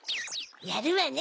やるわね